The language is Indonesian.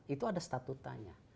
itu ada statutanya